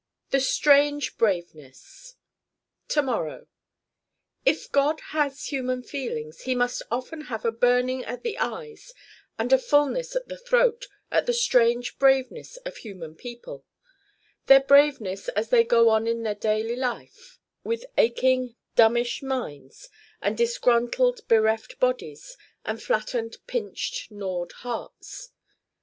The strange braveness To morrow If God has human feelings he must often have a burning at the eyes and a fullness at the throat at the strange Braveness of human people: their Braveness as they go on in the daily life, with aching dumbish minds and disgruntled bereft bodies and flattened pinched gnawed hearts.